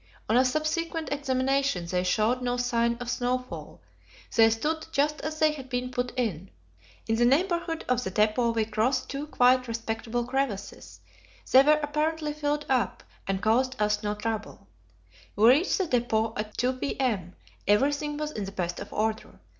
On a subsequent examination they showed no sign of snowfall; they stood just as they had been put in. In the neighbourhood of the depot we crossed two quite respectable crevasses; they were apparently filled up, and caused us no trouble. We reached the depot at 2 p.m.; everything was in the best of order.